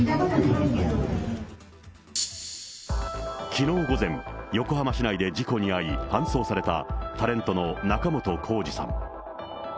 きのう午前、横浜市内で事故に遭い、搬送されたタレントの仲本工事さん。